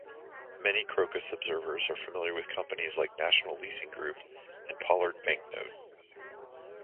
Many Crocus observers are familiar with companies like National Leasing Group and Pollard Banknote.